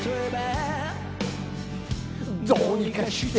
「どうにかして」